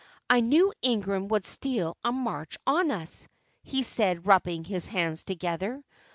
"I knew Ingram would steal a march on us," he said, rubbing his hands together.